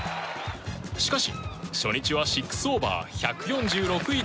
しかし、初日は６オーバー１４６位